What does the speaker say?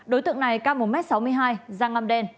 đối tượng này ca một m sáu mươi hai da ngăm đen